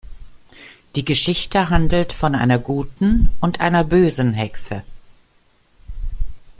Die Geschichte handelt von einer guten und einer bösen Hexe.